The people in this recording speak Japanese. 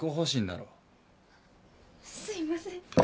すいません。